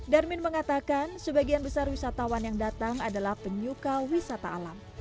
darmin mengatakan sebagian besar wisatawan yang datang adalah penyuka wisata alam